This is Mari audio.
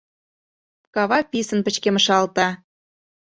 Кава писын пычкемышалте.